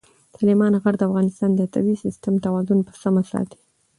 سلیمان غر د افغانستان د طبعي سیسټم توازن په سمه ساتي.